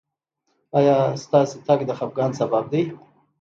ایا ستاسو تګ د خفګان سبب دی؟